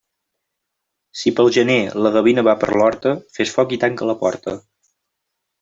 Si pel gener la gavina va per l'horta, fes foc i tanca la porta.